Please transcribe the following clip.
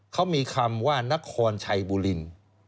เขามีคำว่านครชัยบุรี